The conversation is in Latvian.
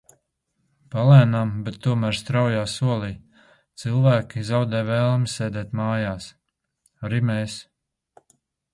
Palēnām, bet tomēr straujā solī, cilvēki zaudē vēlmi sēdēt mājās. Arī mēs.